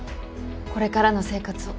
これからの生活を。